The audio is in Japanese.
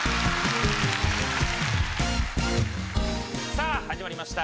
さぁ始まりました！